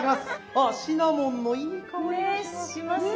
あシナモンのいい香りがしますよ。